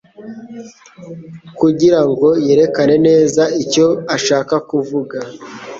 kugirango yerekane neza icyo ashaka kuvuga